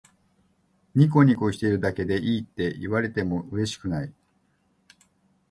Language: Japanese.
ニコニコしているだけでいいって言われてもうれしくない